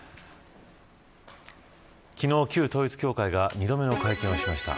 昨日、旧統一教会が２度目の会見をしました。